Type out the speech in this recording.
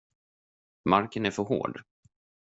Marken är för hård.